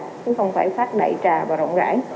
chứ không phải phát đại trà và rộng rãi